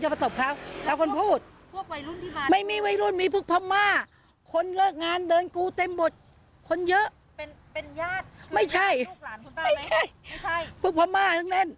พวกพระม่าทั้งแน่น